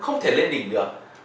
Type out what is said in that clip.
không thể lên đỉnh được